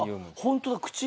ホントだ口。